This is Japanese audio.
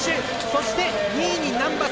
そして、２位に難波。